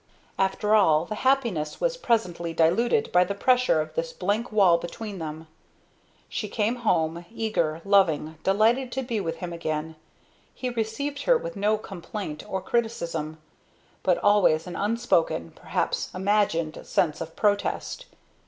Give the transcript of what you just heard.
After all, the happiness was presently diluted by the pressure of this blank wall between them. She came home, eager, loving, delighted to be with him again. He received her with no complaint or criticism, but always an unspoken, perhaps imagined, sense of protest.